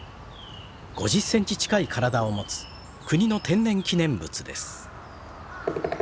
５０センチ近い体を持つ国の天然記念物です。